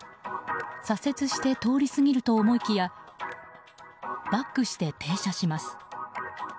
左折して通り過ぎると思いきやバックして停車します。